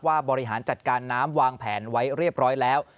บริหารจัดการน้ำวางแผนไว้เรียบร้อยแล้ว